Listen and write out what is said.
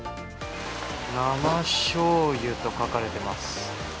生しょうゆと書かれてます。